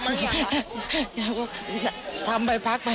ไม่ได้พักไปฉันก็ไม่ได้พักไป